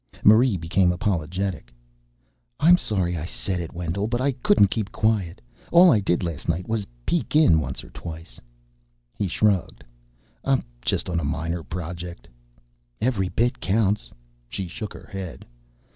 Marie became apologetic. "I'm sorry I said it, Wendell, but I couldn't keep quiet. All I did last night was peek in once or twice." He shrugged. "I'm just on a minor project." "Every bit counts." She shook her head.